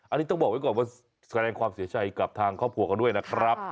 อันนี้ต้องบอกไว้ก่อนว่าแสดงความเสียใจกับทางครอบครัวเขาด้วยนะครับ